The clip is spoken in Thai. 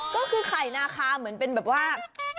ก็คือไข่นาคาเหมือนเป็นแบบว่า